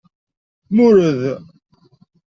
Mured.